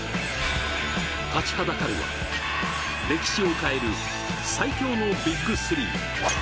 立ちはだかるは、歴史を変える最強のＢＩＧ３。